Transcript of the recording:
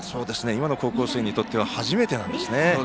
今の高校生にとっては初めてなんですね。